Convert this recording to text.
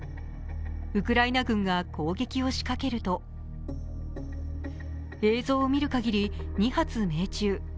ウクライナ軍が攻撃を仕掛けると映像を見るかぎり、２発命中。